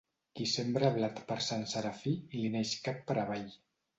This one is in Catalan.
Qui sembra blat per Sant Serafí, li neix cap per avall.